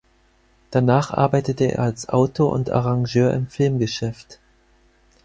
Danach arbeitete er als Autor und Arrangeur im Filmgeschäft.